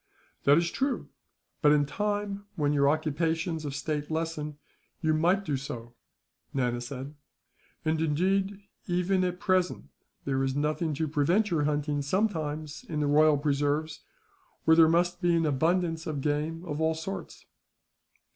"That is true; but in time, when your occupations of state lessen, you might do so," Nana said. "And indeed, even at present, there is nothing to prevent your hunting sometimes in the royal preserves, where there must be an abundance of game of all sorts."